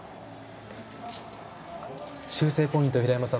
修正ポイント、平山さん